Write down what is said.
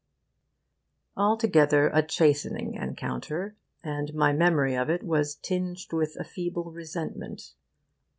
Altogether, a chastening encounter; and my memory of it was tinged with a feeble resentment.